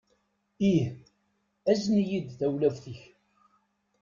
Ih. Azen-iyi-d tawlaft-ik.